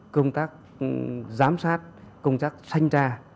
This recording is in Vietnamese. công tác giám sát công tác thanh tra